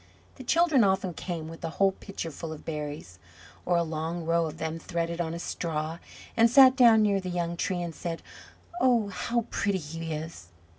The children often came with a whole pitcher full of berries, or a long row of them threaded on a straw, and sat down near the young tree and said, "Oh, how pretty he is!